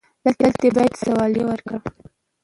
دلته يې بايد سواليه ورکړې و.